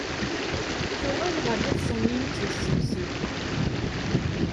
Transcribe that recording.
Tuɣal ɣer yiḍes-nni i tt-yessensen.